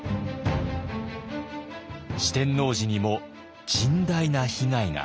四天王寺にも甚大な被害が。